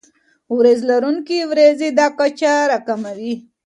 وریځ لرونکي ورځې دا کچه راکموي.